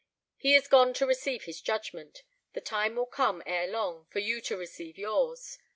He is gone to receive his judgment; the time will come, ere long, for you to receive yours.